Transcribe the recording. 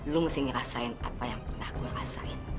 lu mesti ngerasain apa yang pernah gue rasain